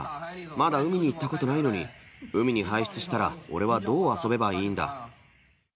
まだ海に行ったことないのに、海に排出したら俺はどう遊べばいいんだ。